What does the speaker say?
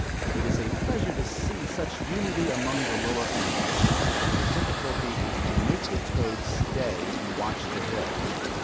It is a pleasure to see such unity among the lower animals. The difficulty is to make the toad stay and watch the hill.